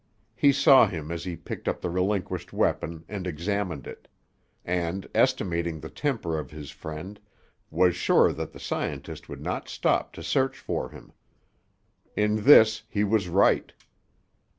He saw him as he picked up the relinquished weapon and examined it: and, estimating the temper of his friend, was sure that the scientist would not stop to search for him. In this he was right.